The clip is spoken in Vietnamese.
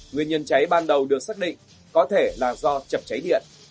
nguyên nhân cháy ban đầu được xác định có thể là do chập cháy điện